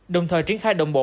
đồng thời triển khai đồng bộ